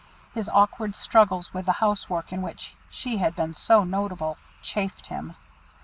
His awkward struggles with the house work in which she had been so notable, chafed him.